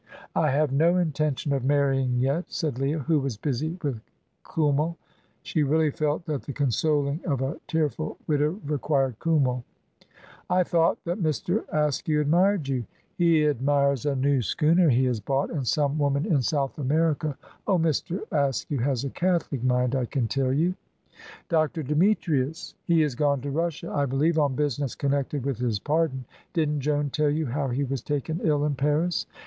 "I have no intention of marrying yet," said Leah, who was busy with Kümmel. She really felt that the consoling of a tearful widow required Kümmel. "I thought that Mr. Askew admired you." "He admires a new schooner he has bought, and some woman in South America. Oh, Mr. Askew has a catholic mind, I can tell you." "Dr. Demetrius!" "He has gone to Russia, I believe, on business connected with his pardon. Didn't Joan tell you how he was taken ill in Paris?"